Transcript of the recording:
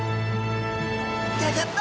ギョギョッと！